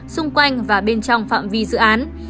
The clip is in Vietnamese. xung quanh và bên trong phạm vi dự án